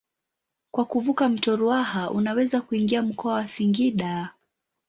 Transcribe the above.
Kwa kuvuka mto Ruaha unaweza kuingia mkoa wa Singida.